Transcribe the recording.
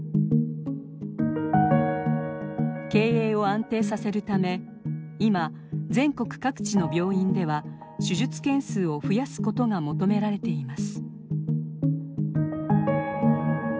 経営を安定させるため今全国各地の病院では手術件数を増やすことが求められています。